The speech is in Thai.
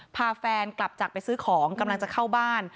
พาแฟนกลับจากไปซื้อของกำลังจะเข้าบ้าน